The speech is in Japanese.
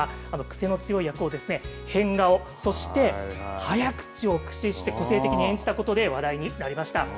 癖の強い役を、変顔、そして早口を駆使して個性的に演じたことで、話題になりました。